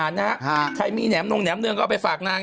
นะฮะใครมีแหมนงแหมเนืองก็เอาไปฝากนาง